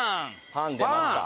パン出ました。